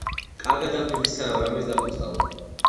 კარგად დაფიქრდი სანამ რამეს დაპოსტავ